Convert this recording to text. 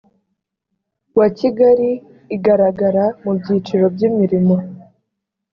wa kigali igaragara mu byiciro by imirimo